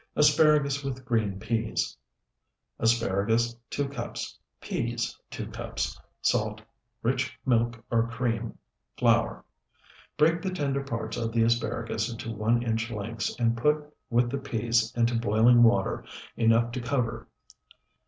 ASPARAGUS WITH GREEN PEAS Asparagus, 2 cups. Peas, 2 cups. Salt. Rich milk or cream. Flour. Break the tender parts of the asparagus into one inch lengths and put with the peas into boiling water enough to cover.